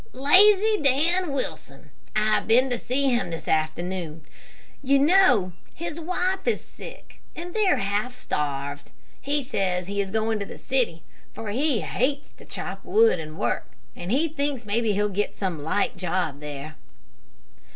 "Lazy Dan Wilson. I've been to see him this afternoon. You know his wife is sick, and they're half starved. He says he is going to the city, for he hates to chop wood and work, and he thinks maybe he'll get some light job there."